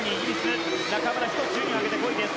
中村、１つ順位を上げて５位です。